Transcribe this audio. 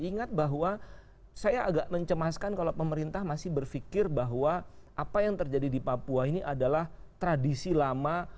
ingat bahwa saya agak mencemaskan kalau pemerintah masih berpikir bahwa apa yang terjadi di papua ini adalah tradisi lama